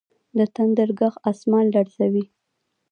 د تندر ږغ اسمان لړزوي.